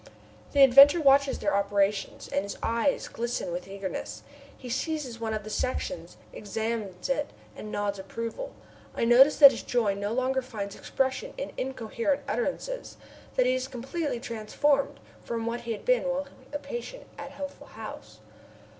The inventor watches their operations, and his eyes glisten with eagerness. He seizes one of the sections, examines it, and nods approval. I notice that his joy no longer finds expression in incoherent utterances, that he is completely transformed from what he was while a patient at Healthful House.